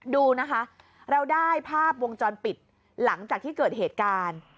ดูนะคะเราได้ภาพวงจรปิดหลังจากที่เกิดเหตุการณ์